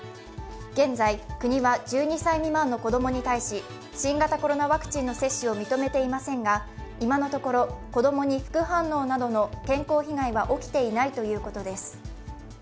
現在、国は１２歳未満の子供に対し新型コロナワクチンの接種を認めていませんが今のところ、子どもに副反応などの健康被害は起きてないということです。